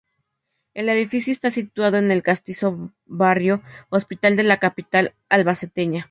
El edificio está situado en el castizo barrio Hospital de la capital albaceteña.